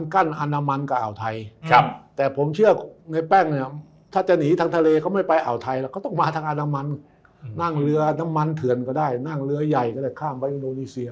ก็เขาลูกนี้มันตัวเชื่อม๔จังหวัด